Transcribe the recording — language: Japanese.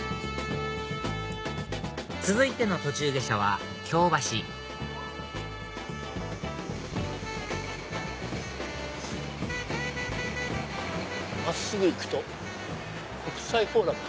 続いての途中下車は京橋真っすぐ行くと国際フォーラムか。